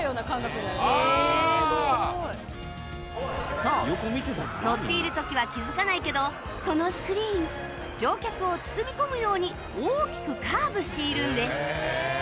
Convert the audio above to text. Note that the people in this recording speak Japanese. そう乗っている時は気づかないけどこのスクリーン乗客を包み込むように大きくカーブしているんです！